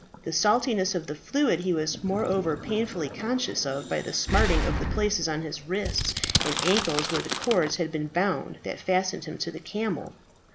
The saltness of the fluid he was moreover painfully conscious of by the smarting of the places on his wrists and ankles where the cords had been bound that fastened him to the camel.